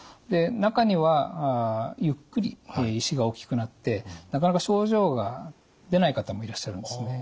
中にはゆっくり石が大きくなってなかなか症状が出ない方もいらっしゃるんですね。